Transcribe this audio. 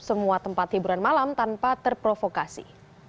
semua tempat hiburan malam tanpa terprovokasi